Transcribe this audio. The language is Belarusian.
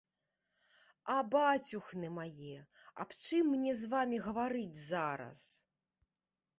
А бацюхны мае, аб чым мне з вамі гаварыць зараз?